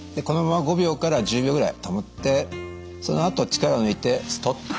このまま５秒から１０秒ぐらい保ってそのあと力を抜いてストン。